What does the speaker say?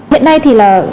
hiện nay thì là